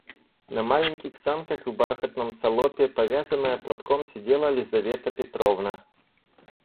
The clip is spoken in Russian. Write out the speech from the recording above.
На маленьких санках, в бархатном салопе, повязанная платком, сидела Лизавета Петровна.